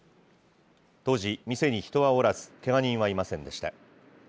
当時、店に人はおらず、けが人はいませんでした。